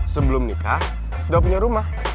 sebelum nikah sudah punya rumah